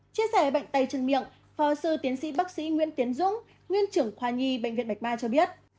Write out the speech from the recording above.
chia sẻ bệnh tay chân miệng phó sư tiến sĩ bác sĩ nguyễn tiến dũng nguyên trưởng khoa nhi bệnh viện bạch mai cho biết